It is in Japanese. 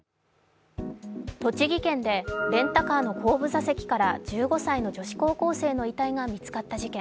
栃木県でレンタカーの後部座席から１５歳の女子高校生の遺体が見つかった事件。